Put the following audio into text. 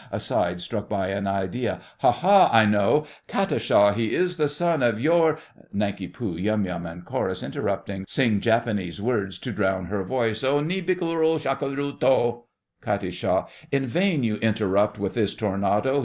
(aside, struck by an idea). Ha! ha! I know! KAT. He is the son of your—— (Nanki Poo, Yum Yum, and Chorus, interrupting, sing Japanese words, to drown her voice.) O ni! bikkuri shakkuri to! KAT. In vain you interrupt with this tornado!